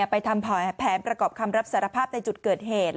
ทำแผนประกอบคำรับสารภาพในจุดเกิดเหตุ